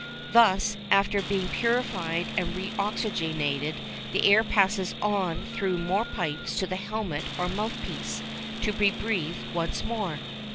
Thus, after being purified and re oxygenated, the air passes on through more pipes to the helmet or mouth piece, to be breathed once more.